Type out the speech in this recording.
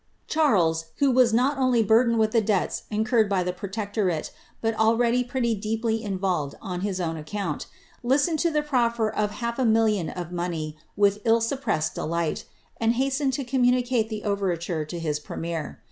Charles, who was not only burdenea with tlie debts incurred by llw Protectorate, but already pretty deeply involved on his own account, li^ tened to the profifer of half a million of money with ill eupprened d^ light, and hastened to communicate the overture to his premier.